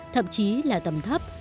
thậm chí là tầm thấp